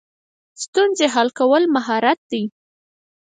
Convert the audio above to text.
ستونزې حل کول مهارت دی